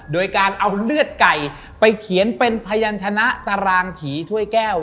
โดยการเอาเลือดไก่ไปเขียนเป็นพยานชนะตารางผีถ้วยแก้ว